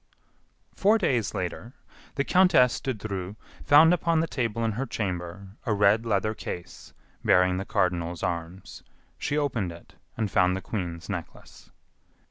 Four days later, the countess de Dreux found upon the table in her chamber a red leather case bearing the cardinal's arms. She opened it, and found the Queen's Necklace.